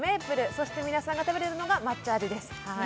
そして皆さんが食べてるのが抹茶味です